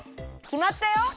きまったよ。